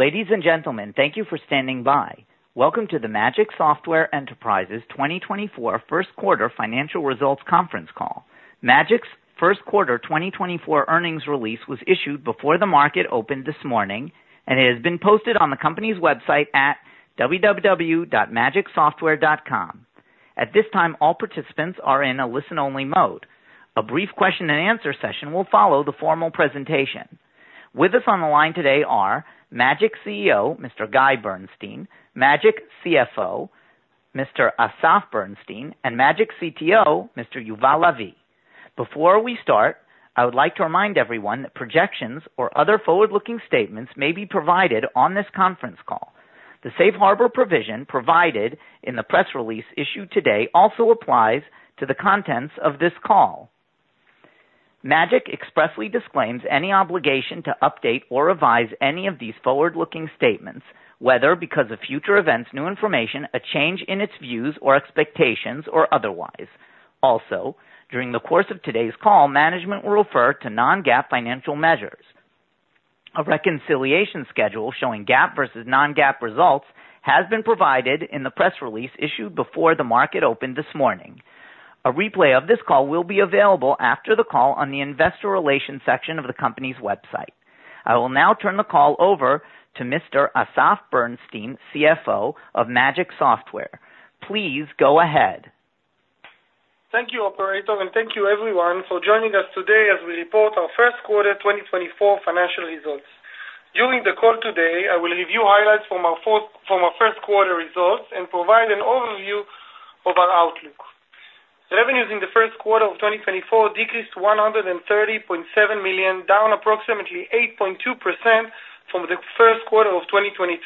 Ladies and gentlemen, thank you for standing by. Welcome to the Magic Software Enterprises 2024 first quarter financial results conference call. Magic's first quarter 2024 earnings release was issued before the market opened this morning, and it has been posted on the company's website at www.magicsoftware.com. At this time, all participants are in a listen-only mode. A brief question-and-answer session will follow the formal presentation. With us on the line today are Magic CEO, Mr. Guy Bernstein, Magic CFO, Mr. Asaf Berenstin, and Magic CTO, Mr. Yuval Lavi. Before we start, I would like to remind everyone that projections or other forward-looking statements may be provided on this conference call. The Safe Harbor provision provided in the press release issued today also applies to the contents of this call. Magic expressly disclaims any obligation to update or revise any of these forward-looking statements, whether because of future events, new information, a change in its views or expectations, or otherwise. Also, during the course of today's call, management will refer to Non-GAAP financial measures. A reconciliation schedule showing GAAP versus Non-GAAP results has been provided in the press release issued before the market opened this morning. A replay of this call will be available after the call on the investor relations section of the company's website. I will now turn the call over to Mr. Asaf Berenstin, CFO of Magic Software. Please go ahead. Thank you, operator, and thank you everyone for joining us today as we report our first quarter 2024 financial results. During the call today, I will review highlights from our fourth, from our first quarter results and provide an overview of our outlook. Revenues in the first quarter of 2024 decreased to $130.7 million, down approximately 8.2% from the first quarter of 2023.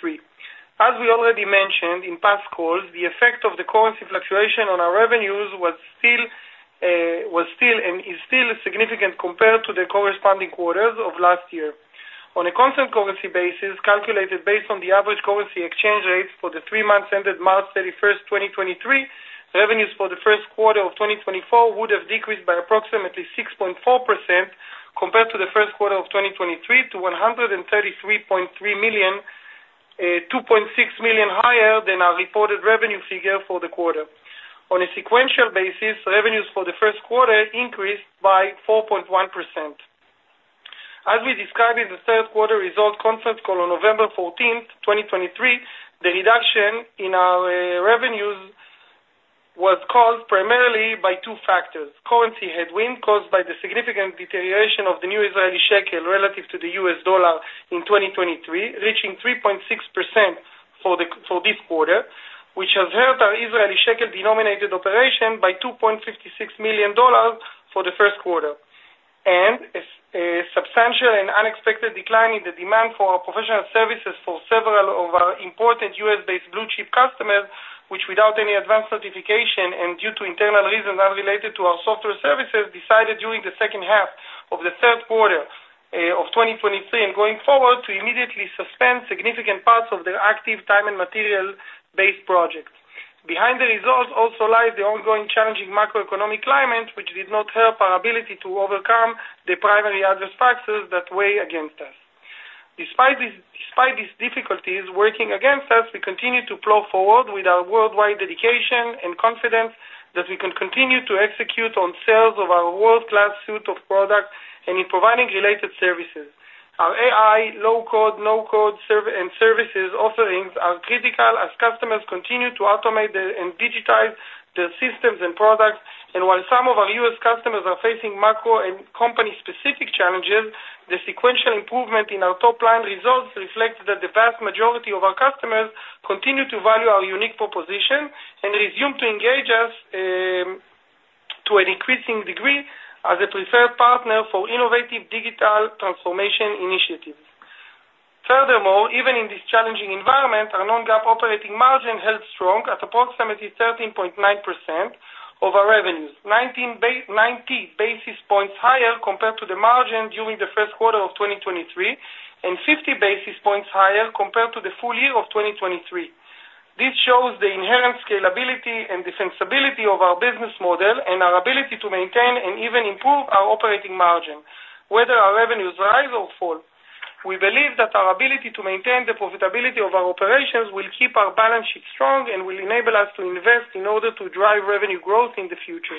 As we already mentioned in past calls, the effect of the currency fluctuation on our revenues was still, was still and is still significant compared to the corresponding quarters of last year. On a constant currency basis, calculated based on the average currency exchange rates for the three months ended March 31, 2023, revenues for the first quarter of 2024 would have decreased by approximately 6.4% compared to the first quarter of 2023 to $133.3 million, $2.6 million higher than our reported revenue figure for the quarter. On a sequential basis, revenues for the first quarter increased by 4.1%. As we described in the third quarter results conference call on November 14, 2023, the reduction in our revenues was caused primarily by two factors: currency headwind, caused by the significant deterioration of the New Israeli Shekel relative to the US dollar in 2023, reaching 3.6% for this quarter, which has hurt our Israeli shekel-denominated operation by $2.56 million for the first quarter. And a substantial and unexpected decline in the demand for our professional services for several of our important US-based blue-chip customers, which, without any advance notification and due to internal reasons unrelated to our software services, decided during the second half of the third quarter of 2023 and going forward, to immediately suspend significant parts of their active time and material-based projects. Behind the results also lies the ongoing challenging macroeconomic climate, which did not help our ability to overcome the primary adverse factors that weigh against us. Despite these, despite these difficulties working against us, we continue to plow forward with our worldwide dedication and confidence that we can continue to execute on sales of our world-class suite of products and in providing related services. Our AI, low-code, no-code, and services offerings are critical as customers continue to automate and digitize their systems and products, and while some of our U.S. customers are facing macro and company-specific challenges, the sequential improvement in our top-line results reflects that the vast majority of our customers continue to value our unique proposition and resume to engage us, to a decreasing degree as a preferred partner for innovative digital transformation initiatives. Furthermore, even in this challenging environment, our non-GAAP operating margin held strong at approximately 13.9% of our revenues, 90 basis points higher compared to the margin during the first quarter of 2023, and 50 basis points higher compared to the full year of 2023. This shows the inherent scalability and the sensibility of our business model and our ability to maintain and even improve our operating margin, whether our revenues rise or fall. We believe that our ability to maintain the profitability of our operations will keep our balance sheet strong and will enable us to invest in order to drive revenue growth in the future.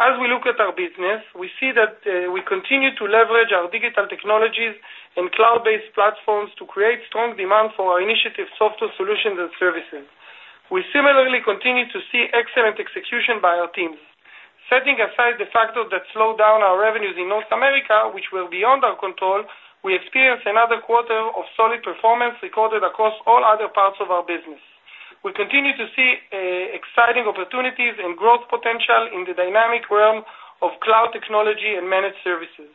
As we look at our business, we see that we continue to leverage our digital technologies and cloud-based platforms to create strong demand for our initiative, software solutions, and services. We similarly continue to see excellent execution by our teams. Setting aside the factors that slowed down our revenues in North America, which were beyond our control, we experienced another quarter of solid performance recorded across all other parts of our business. We continue to see exciting opportunities and growth potential in the dynamic realm of cloud technology and managed services.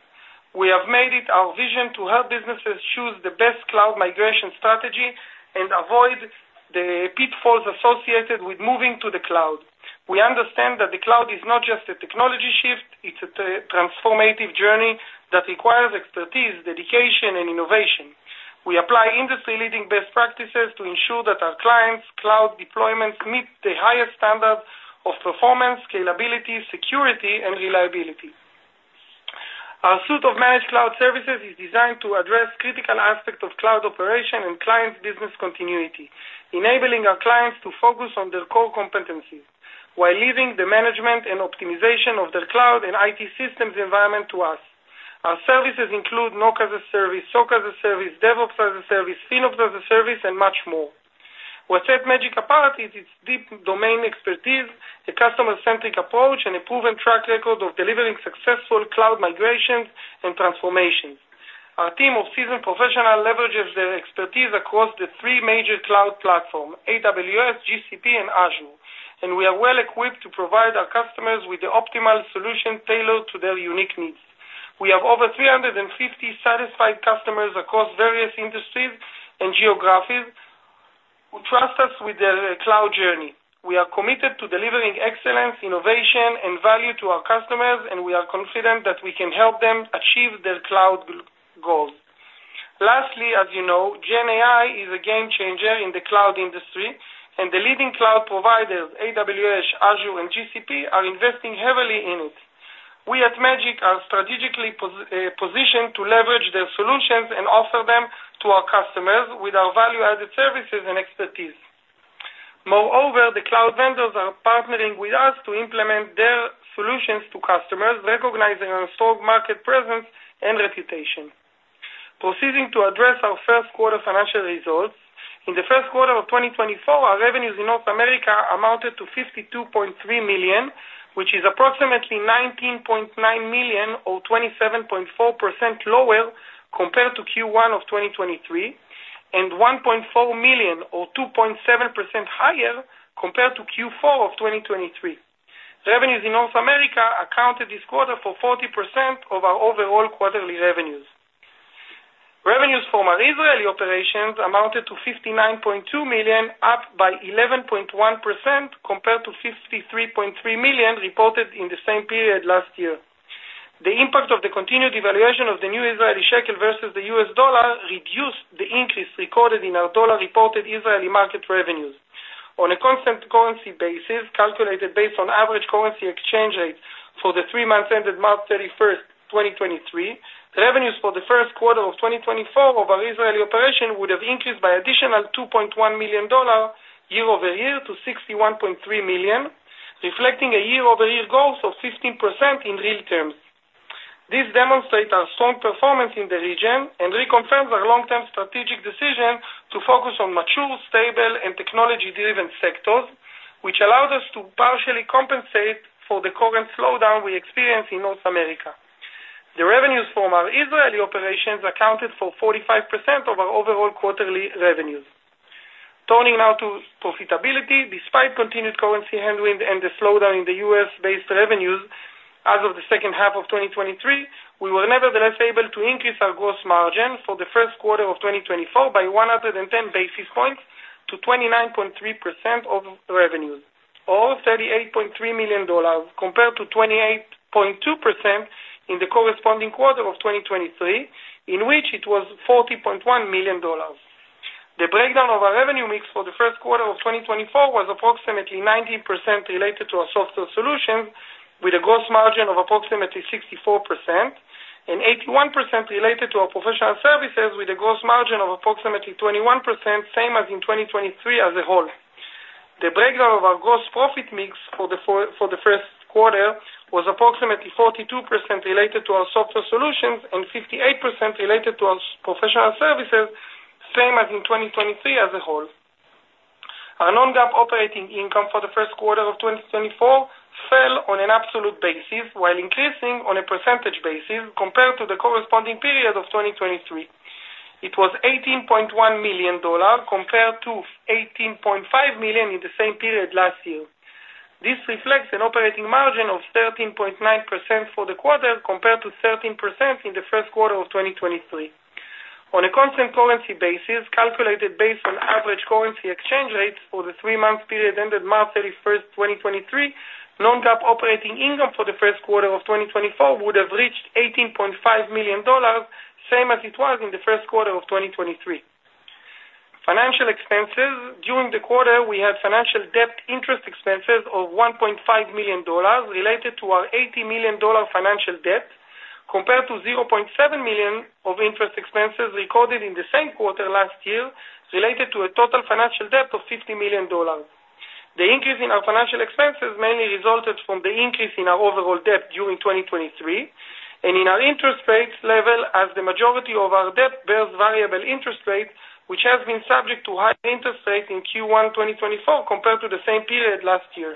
We have made it our vision to help businesses choose the best cloud migration strategy and avoid the pitfalls associated with moving to the cloud. We understand that the cloud is not just a technology shift, it's a transformative journey that requires expertise, dedication, and innovation. We apply industry-leading best practices to ensure that our clients' cloud deployments meet the highest standards of performance, scalability, security, and reliability. Our suite of managed cloud services is designed to address critical aspects of cloud operation and client business continuity, enabling our clients to focus on their core competencies, while leaving the management and optimization of their cloud and IT systems environment to us. Our services include NOC as a service, SOC as a service, DevOps as a service, FinOps as a service, and much more. What sets Magic apart is its deep domain expertise, a customer-centric approach, and a proven track record of delivering successful cloud migrations and transformations. Our team of seasoned professionals leverages their expertise across the three major cloud platforms, AWS, GCP, and Azure, and we are well-equipped to provide our customers with the optimal solution tailored to their unique needs. We have over 350 satisfied customers across various industries and geographies who trust us with their cloud journey. We are committed to delivering excellence, innovation, and value to our customers, and we are confident that we can help them achieve their cloud goals. Lastly, as you know, Gen AI is a game-changer in the cloud industry, and the leading cloud providers, AWS, Azure, and GCP, are investing heavily in it. We at Magic are strategically positioned to leverage their solutions and offer them to our customers with our value-added services and expertise. Moreover, the cloud vendors are partnering with us to implement their solutions to customers, recognizing our strong market presence and reputation. Proceeding to address our first quarter financial results. In the first quarter of 2024, our revenues in North America amounted to $52.3 million, which is approximately $19.9 million, or 27.4% lower compared to Q1 of 2023, and $1.4 million, or 2.7% higher compared to Q4 of 2023. Revenues in North America accounted this quarter for 40% of our overall quarterly revenues. Revenues from our Israeli operations amounted to $59.2 million, up by 11.1% compared to $53.3 million reported in the same period last year. The impact of the continued devaluation of the New Israeli Shekel versus the U.S. dollar reduced the increase recorded in our dollar-reported Israeli market revenues. On a constant currency basis, calculated based on average currency exchange rates for the 3 months ended March 31, 2023, revenues for the first quarter of 2024 of our Israeli operation would have increased by additional $2.1 million year-over-year to $61.3 million, reflecting a year-over-year growth of 15% in real terms. This demonstrates our strong performance in the region and reconfirms our long-term strategic decision to focus on mature, stable, and technology-driven sectors, which allows us to partially compensate for the current slowdown we experience in North America. The revenues from our Israeli operations accounted for 45% of our overall quarterly revenues. Turning now to profitability. Despite continued currency headwind and the slowdown in the U.S.-based revenues, as of the second half of 2023, we were nevertheless able to increase our gross margin for the first quarter of 2024 by 110 basis points to 29.3% of revenues, or $38.3 million, compared to 28.2% in the corresponding quarter of 2023, in which it was $40.1 million. The breakdown of our revenue mix for the first quarter of 2024 was approximately 90% related to our software solutions, with a gross margin of approximately 64%, and 81% related to our professional services with a gross margin of approximately 21%, same as in 2023 as a whole. The breakdown of our gross profit mix for the first quarter was approximately 42% related to our software solutions and 58% related to our professional services, same as in 2023 as a whole. Our non-GAAP operating income for the first quarter of 2024 fell on an absolute basis, while increasing on a percentage basis compared to the corresponding period of 2023. It was $18.1 million compared to $18.5 million in the same period last year. This reflects an operating margin of 13.9% for the quarter, compared to 13% in the first quarter of 2023. On a constant currency basis, calculated based on average currency exchange rates for the three-month period ended March 31, 2023, Non-GAAP operating income for the first quarter of 2024 would have reached $18.5 million, same as it was in the first quarter of 2023. Financial expenses. During the quarter, we had financial debt interest expenses of $1.5 million related to our $80 million financial debt, compared to $0.7 million of interest expenses recorded in the same quarter last year, related to a total financial debt of $50 million. The increase in our financial expenses mainly resulted from the increase in our overall debt during 2023 and in our interest rates level, as the majority of our debt bears variable interest rates, which has been subject to high interest rates in Q1 2024, compared to the same period last year.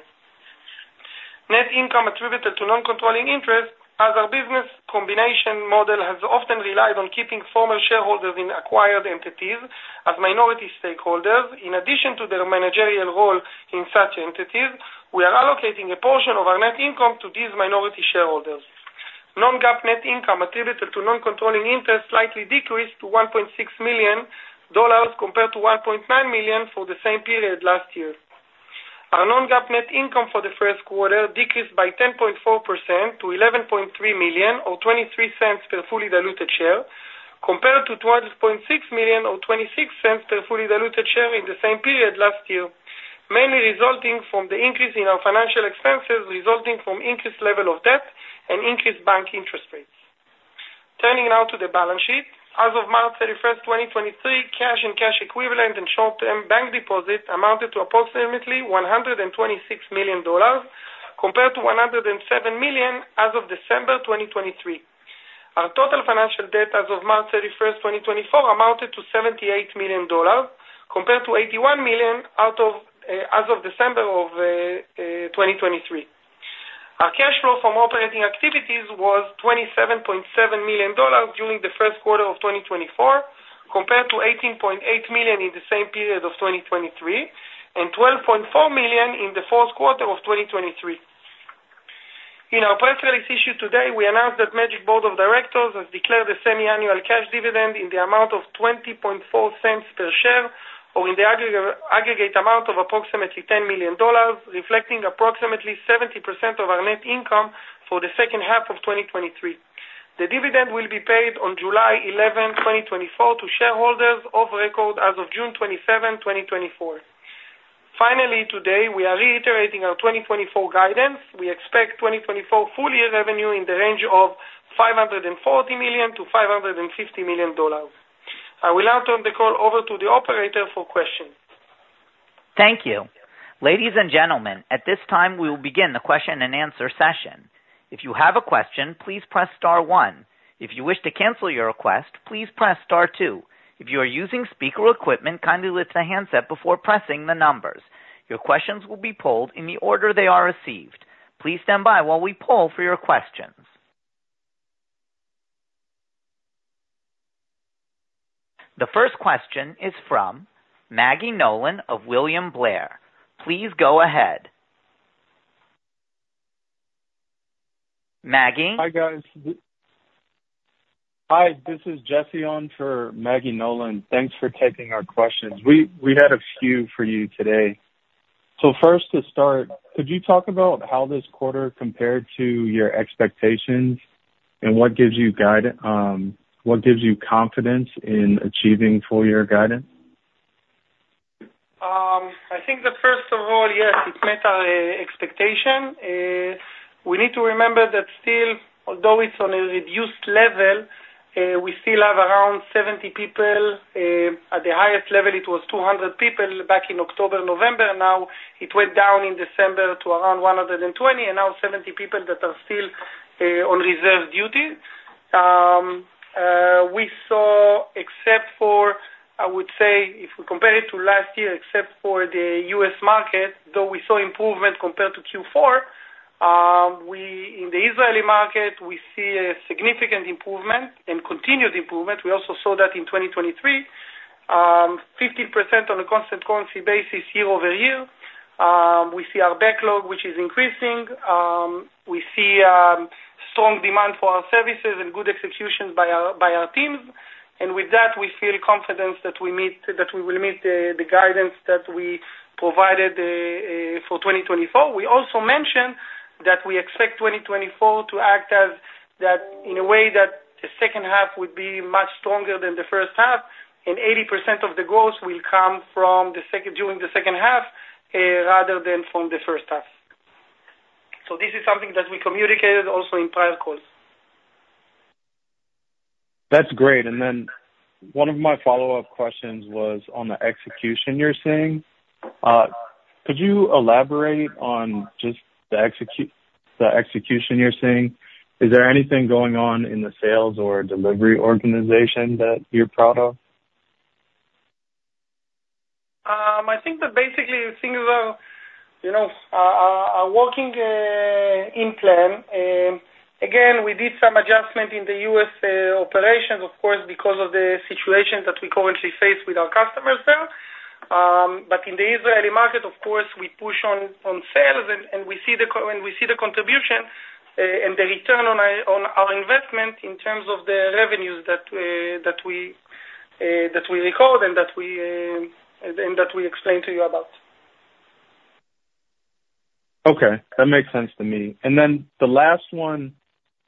Net income attributed to non-controlling interests, as our business combination model has often relied on keeping former shareholders in acquired entities as minority stakeholders. In addition to their managerial role in such entities, we are allocating a portion of our net income to these minority shareholders. Non-GAAP net income attributed to non-controlling interests slightly decreased to $1.6 million compared to $1.9 million for the same period last year. Our non-GAAP net income for the first quarter decreased by 10.4% to $11.3 million or $0.23 per fully diluted share, compared to $12.6 million or $0.26 per fully diluted share in the same period last year, mainly resulting from the increase in our financial expenses, resulting from increased level of debt and increased bank interest rates. Turning now to the balance sheet. As of March 31, 2023, cash and cash equivalent and short-term bank deposits amounted to approximately $126 million, compared to $107 million as of December 2023. Our total financial debt as of March 31, 2024, amounted to $78 million, compared to $81 million as of December 2023. Our cash flow from operating activities was $27.7 million during the first quarter of 2024, compared to $18.8 million in the same period of 2023, and $12.4 million in the fourth quarter of 2023. In our press release issued today, we announced that Magic's Board of Directors has declared a semi-annual cash dividend in the amount of 20.4 cents per share, or in the aggregate amount of approximately $10 million, reflecting approximately 70% of our net income for the second half of 2023. The dividend will be paid on July 11, 2024, to shareholders of record as of June 27, 2024. Finally, today, we are reiterating our 2024 guidance. We expect 2024 full year revenue in the range of $540 million-$550 million. I will now turn the call over to the operator for questions. Thank you. Ladies and gentlemen, at this time, we will begin the question-and-answer session. If you have a question, please press star one. If you wish to cancel your request, please press star two. If you are using speaker equipment, kindly lift the handset before pressing the numbers. Your questions will be polled in the order they are received. Please stand by while we poll for your questions. The first question is from Maggie Nolan of William Blair. Please go ahead. Maggie? Hi, guys. Hi, this is Jesse on for Maggie Nolan. Thanks for taking our questions. We had a few for you today. So first to start, could you talk about how this quarter compared to your expectations and what gives you confidence in achieving full year guidance? I think that first of all, yes, it met our expectation. We need to remember that still, although it's on a reduced level, we still have around 70 people. At the highest level, it was 200 people back in October, November. Now it went down in December to around 120, and now 70 people that are still on reserve duty. We saw except for, I would say, if we compare it to last year, except for the U.S. market, though we saw improvement compared to Q4, we in the Israeli market, we see a significant improvement and continued improvement. We also saw that in 2023, 50% on a constant currency basis year-over-year. We see our backlog, which is increasing. We see strong demand for our services and good execution by our teams, and with that, we feel confident that we will meet the guidance that we provided for 2024. We also mentioned that we expect 2024 to act as that in a way that the second half would be much stronger than the first half, and 80% of the growth will come from the second, during the second half, rather than from the first half. So this is something that we communicated also in prior calls. That's great. One of my follow-up questions was on the execution you're seeing. Could you elaborate on just the execution you're seeing? Is there anything going on in the sales or delivery organization that you're proud of? I think that basically things are, you know, working in plan. Again, we did some adjustment in the U.S. operations, of course, because of the situation that we currently face with our customers there. But in the Israeli market, of course, we push on sales and we see the contribution, and the return on our investment in terms of the revenues that we record and that we explain to you about. Okay, that makes sense to me. And then the last one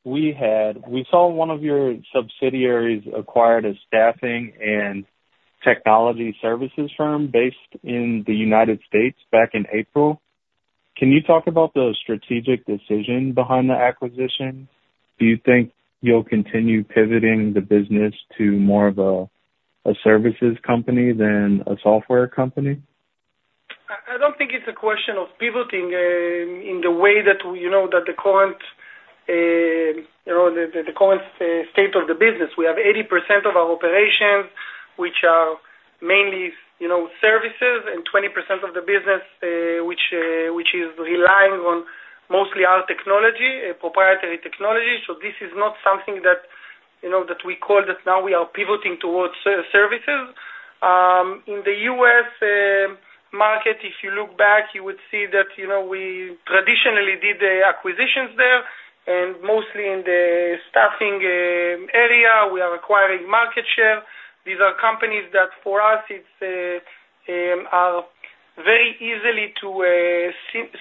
we had, we saw one of your subsidiaries acquired a staffing and technology services firm based in the United States back in April. Can you talk about the strategic decision behind the acquisition? Do you think you'll continue pivoting the business to more of a, a services company than a software company? I don't think it's a question of pivoting in the way that, you know, the current state of the business. We have 80% of our operations, which are mainly, you know, services, and 20% of the business, which is relying on mostly our technology, proprietary technology. So this is not something that, you know, that we call that now we are pivoting towards services. In the U.S. market, if you look back, you would see that, you know, we traditionally did the acquisitions there, and mostly in the staffing area, we are acquiring market share. These are companies that for us, it's, are very easily to,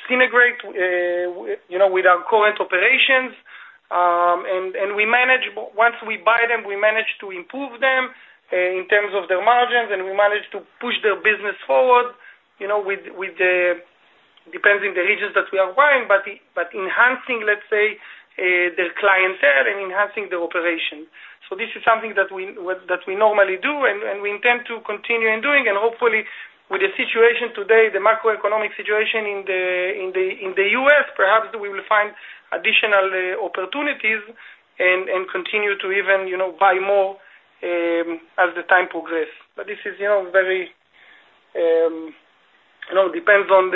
synergize, you know, with our current operations. And we manage. Once we buy them, we manage to improve them in terms of their margins, and we manage to push their business forward, you know, with it depends on the regions that we are buying, but enhancing, let's say, their clientele and enhancing the operation. So this is something that we, that we normally do and we intend to continue in doing, and hopefully with the situation today, the macroeconomic situation in the US, perhaps we will find additional opportunities and continue to even, you know, buy more as the time progress. But this is, you know, very, you know, depends on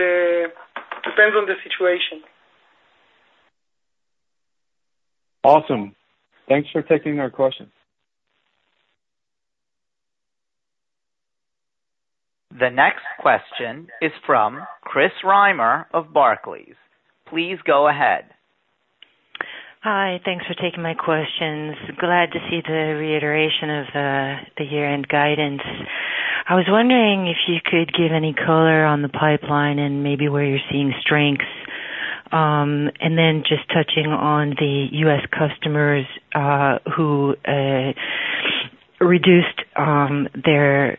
the situation. Awesome. Thanks for taking our questions. The next question is from Chris Reimer of Barclays. Please go ahead. Hi. Thanks for taking my questions. Glad to see the reiteration of the year-end guidance. I was wondering if you could give any color on the pipeline and maybe where you're seeing strengths. And then just touching on the U.S. customers who reduced their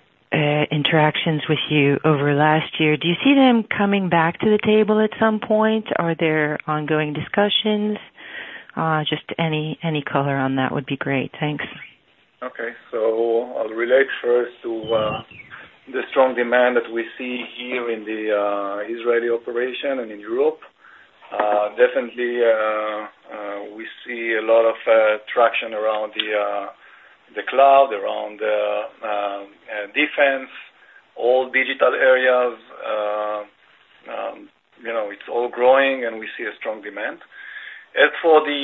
interactions with you over last year. Do you see them coming back to the table at some point? Are there ongoing discussions? Just any color on that would be great. Thanks. Okay. So I'll relate first to the strong demand that we see here in the Israeli operation and in Europe. Definitely, we see a lot of traction around the cloud, around the defense, all digital areas. You know, it's all growing, and we see a strong demand. As for the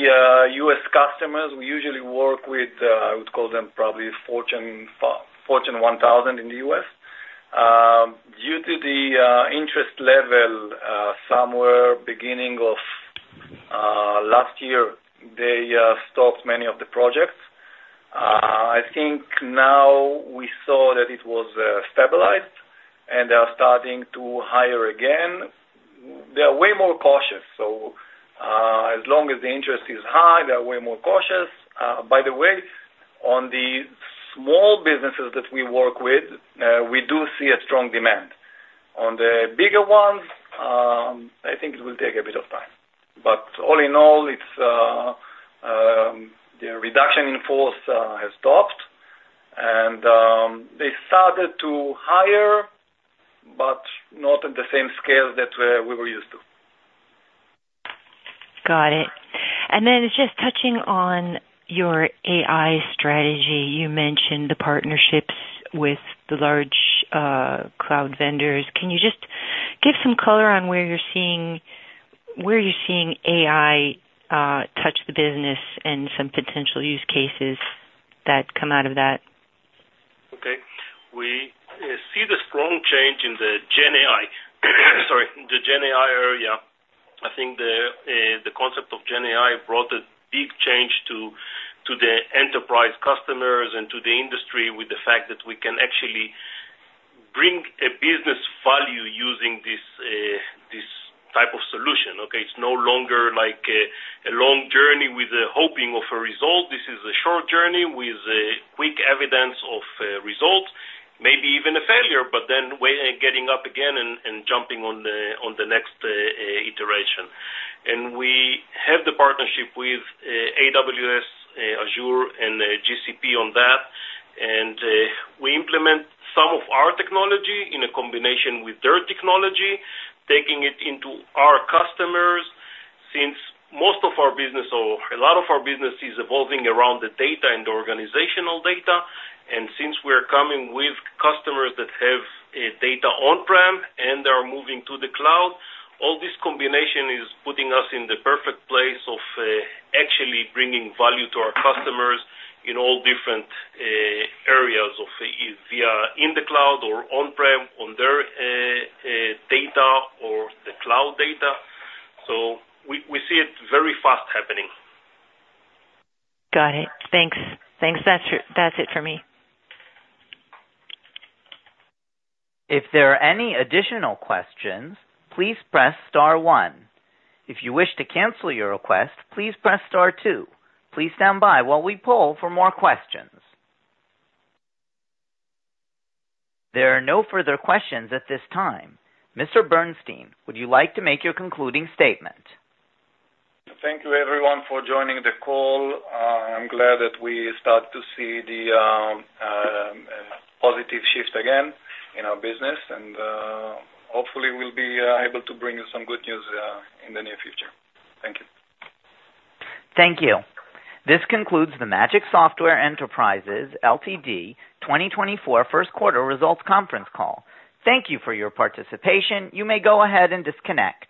U.S. customers, we usually work with, I would call them probably Fortune 1000 in the U.S. Due to the interest level, somewhere beginning of last year, they stopped many of the projects. I think now we saw that it was stabilized, and they are starting to hire again. They are way more cautious, so as long as the interest is high, they are way more cautious. By the way, on the small businesses that we work with, we do see a strong demand. On the bigger ones, I think it will take a bit of time, but all in all, it's the reduction in force has stopped, and they started to hire, but not at the same scale that we, we were used to. Got it. Just touching on your AI strategy, you mentioned the partnerships with the large cloud vendors. Can you just give some color on where you're seeing AI touch the business and some potential use cases that come out of that? Okay. We see the strong change in the Gen AI, sorry, in the Gen AI area. I think the, the concept of Gen AI brought a big change to, to the enterprise customers and to the industry, with the fact that we can actually bring a business value using this, this type of solution, okay? It's no longer like a, a long journey with the hoping of a result. This is a short journey with a quick evidence of, results, maybe even a failure, but then way... Getting up again and, and jumping on the, on the next, iteration. And we have the partnership with, AWS, Azure and GCP on that. And, we implement some of our technology in a combination with their technology, taking it into our customers. Since most of our business or a lot of our business is evolving around the data and organizational data, and since we're coming with customers that have data on-prem and are moving to the cloud, all this combination is putting us in the perfect place of actually bringing value to our customers in all different areas of via in the cloud or on-prem, on their data or the cloud data. So we, we see it very fast happening. Got it. Thanks. Thanks. That's, that's it for me. If there are any additional questions, please press star one. If you wish to cancel your request, please press star two. Please stand by while we poll for more questions. There are no further questions at this time. Mr. Bernstein, would you like to make your concluding statement? Thank you, everyone, for joining the call. I'm glad that we start to see the positive shift again in our business, and hopefully we'll be able to bring you some good news in the near future. Thank you. Thank you. This concludes the Magic Software Enterprises Ltd. 2024 first quarter results conference call. Thank you for your participation. You may go ahead and disconnect.